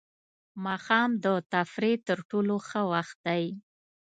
ماښام د تفریح تر ټولو ښه وخت دی.